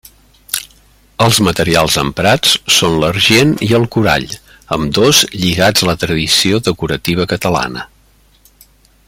Els materials emprats són l'argent i el corall, ambdós lligats a la tradició decorativa catalana.